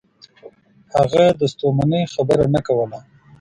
هغه د ستومنۍ خبره نه کوله.